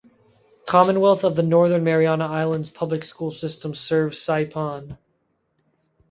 Commonwealth of the Northern Mariana Islands Public School System serves Saipan.